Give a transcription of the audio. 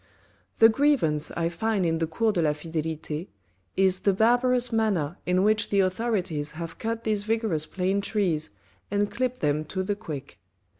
The grievance I find in the Cours de la Fidelite is the barbarous manner in which the authorities have cut these vigorous plane trees and clipped them to the quick.